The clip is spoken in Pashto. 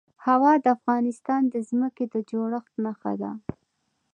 هوا د افغانستان د ځمکې د جوړښت نښه ده.